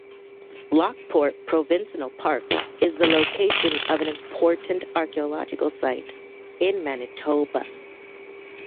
Lockport Provincial Park is the location of an important archeological site in Manitoba.